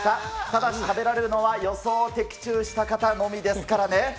ただし、食べられるのは、予想を的中した方のみですからね。